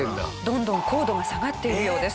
どんどん高度が下がっているようです。